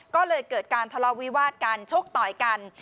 ก็เลยเกิดการทะเลาะวิวาดกันชกต่อยกัน